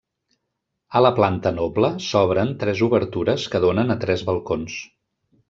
A la planta noble s'obren tres obertures que donen a tres balcons.